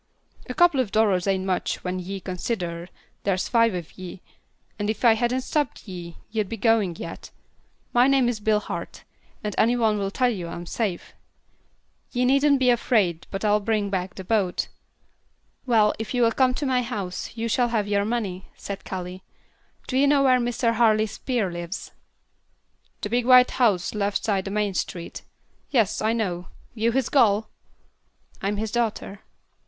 "A couple of dollars ain't much when ye consider there's five of ye, and if I hadn't stopped ye, ye'd be goin' yet. My name's Bill Hart, and any one'll tell you I'm safe. Ye needn't be afraid but what I'll bring back the boat." "Well, if you will come to my house, you shall have your money," said Callie. "Do you know where Mr. Harley Spear lives?" "Big white house, left side the main street. Yes, I know. You his gal?" "I'm his daughter."